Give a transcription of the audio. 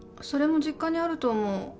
それも実家にあると思う。